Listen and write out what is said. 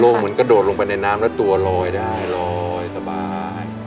เหมือนกระโดดลงไปในน้ำแล้วตัวลอยได้ลอยสบาย